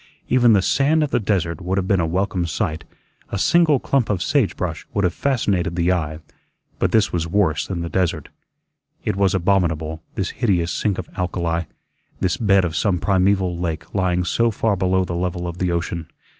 Even the sand of the desert would have been a welcome sight; a single clump of sage brush would have fascinated the eye; but this was worse than the desert. It was abominable, this hideous sink of alkali, this bed of some primeval lake lying so far below the level of the ocean.